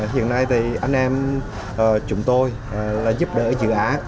hiện nay thì anh em chúng tôi là giúp đỡ dự án